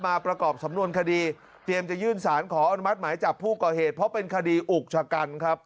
ประกอบสำนวนคดีเตรียมจะยื่นสารขออนุมัติหมายจับผู้ก่อเหตุเพราะเป็นคดีอุกชะกันครับ